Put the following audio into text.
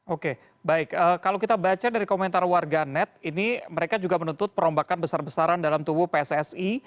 oke baik kalau kita baca dari komentar warga net ini mereka juga menuntut perombakan besar besaran dalam tubuh pssi